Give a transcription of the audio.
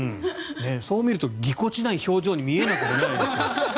そう見るとぎこちない表情に見えなくもないんですけど。